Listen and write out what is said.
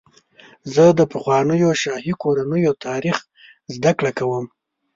زه د پخوانیو شاهي کورنیو تاریخ زدهکړه کوم.